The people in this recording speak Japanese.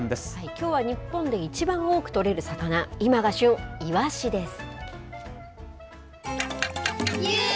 きょうは日本でいちばん多く取れる魚、今が旬、いわしです。